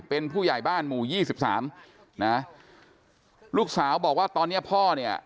เป็นผู้ใหญ่บ้านหมู่ยี่สิบสามนะลูกสาวบอกว่าตอนเนี้ยพ่อเนี่ย